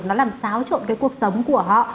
nó làm xáo trộn cái cuộc sống của họ